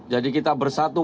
jadi kita bersatu